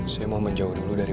saya mau menjauh dulu dari